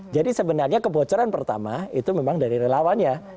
jadi sebenarnya kebocoran pertama itu memang dari lawannya